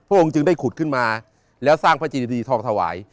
องค์จึงได้ขุดขึ้นมาแล้วสร้างพระจินดีทองถวาย